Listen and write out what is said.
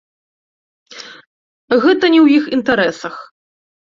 Гэта не ў іх інтарэсах.